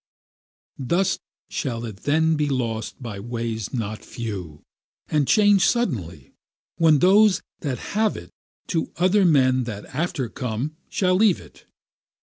Thus shall it then be lost by ways not few, And changed suddenly, when those that have it To other men that after come shall leave it.